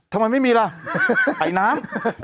ทำไมไม่มีล่ะไอ้น้ำ